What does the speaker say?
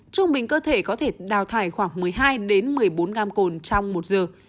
trung bình cơ thể có thể đào thải khoảng một mươi hai một mươi bốn gam cồn trong một giờ